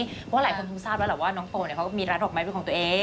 เพราะว่าหลายคนคงทราบแล้วแหละว่าน้องโตเขาก็มีร้านดอกไม้เป็นของตัวเอง